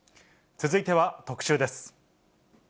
続いては特集です。